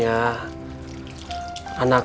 kamu gak tau kan